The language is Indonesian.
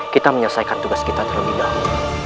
kita menyelesaikan tugas kita terlebih dahulu